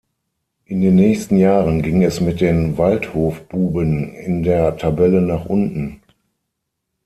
In den nächsten Jahren ging es mit den „Waldhof-Buben“ in der Tabelle nach unten.